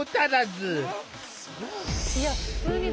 すごい。